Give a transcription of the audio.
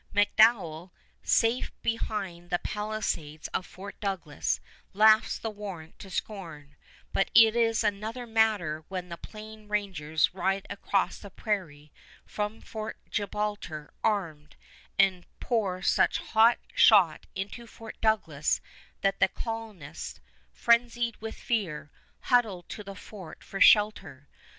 MacDonell, safe behind the palisades of Fort Douglas, laughs the warrant to scorn; but it is another matter when the Plain Rangers ride across the prairie from Fort Gibraltar armed, and pour such hot shot into Fort Douglas that the colonists, frenzied with fear, huddle to the fort for shelter.